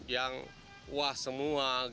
yang wah semua